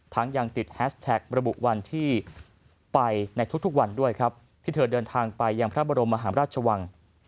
ยังติดแฮชแท็กระบุวันที่ไปในทุกวันด้วยครับที่เธอเดินทางไปยังพระบรมมหาราชวัง